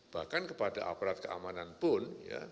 bahkan kepada aparat keamanan pun